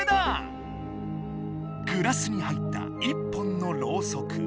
グラスに入った１本のろうそく。